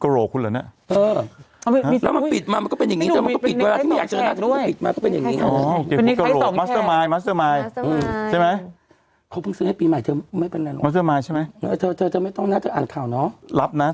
รับนะเมื่อไม่ใส่แล้วโยนละนะ